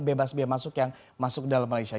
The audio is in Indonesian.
bebas biaya masuk yang masuk dalam malaysia